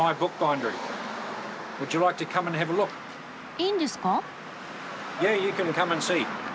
いいんですか？